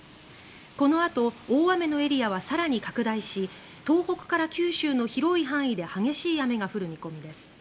このあと大雨のエリアは更に拡大し東北から九州の広い範囲で激しい雨が降る見込みです。